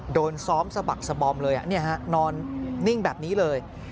โดนซ้อมสะบักสบอมเลยนอนนิ่งแบบนี้เลย